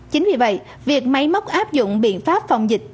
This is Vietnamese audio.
chính vì vậy việc máy móc áp dụng biện pháp phòng dịch